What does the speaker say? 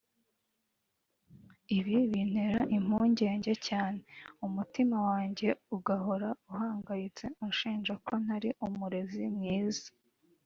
Ibi bintera impungenge cyane umutima wanjye ugahora uhangayitse unshinja ko ntari umurezi mwiza